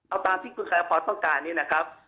เอาตามที่คุณชายพรต้องการนี้นะครับ